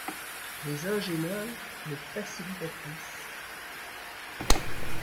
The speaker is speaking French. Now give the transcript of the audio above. Les ingêneurs, les facilitatrices. ..